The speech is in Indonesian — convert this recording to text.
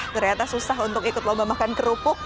ternyata susah untuk ikut lomba makan kerupuk